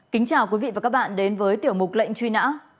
kính chào quý vị và các bạn đến với tiểu mục lệnh truy nã